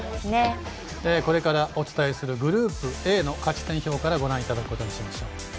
これからお伝えするグループＡの勝ち点表からご覧いただくことにしましょう。